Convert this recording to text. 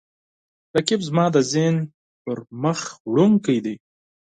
رقیب زما د ذهن پرمخ وړونکی دی